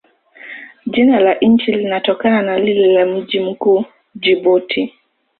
Jina la nchi linatokana na lile la mji mkuu, Jibuti.